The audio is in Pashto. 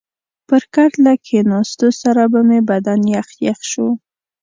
پر کټ له کښېنستو سره به مې بدن یخ یخ شو.